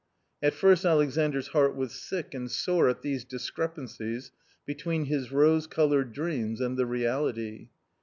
At first Alexandr's heart was sick and sore at these discrepancies between his rose coloured dreams and the reality.